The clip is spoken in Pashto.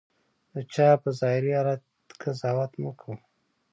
د چا په ظاهري حالت قضاوت مه کوه.